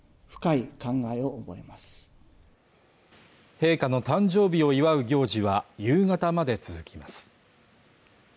陛下の誕生日を祝う行事は夕方まで続きます。